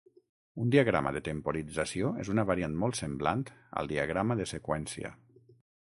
Un diagrama de temporització és una variant molt semblant al diagrama de seqüència.